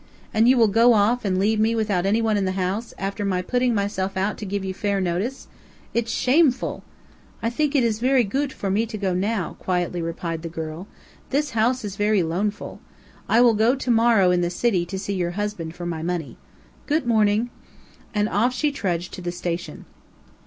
"And you will go off and leave me without any one in the house, after my putting myself out to give you a fair notice? It's shameful!" "I think it is very goot for me to go now," quietly replied the girl. "This house is very loneful. I will go to morrow in the city to see your husband for my money. Goot morning." And off she trudged to the station.